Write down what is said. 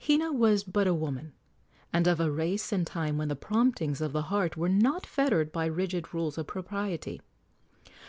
Hina was but a woman, and of a race and time when the promptings of the heart were not fettered by rigid rules of propriety.